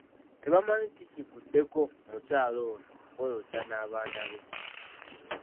Tebamanyi kiki kivuddeko mukyala ono kweyokya n’abaana be.